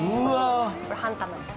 これ半玉です。